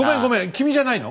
君じゃないの？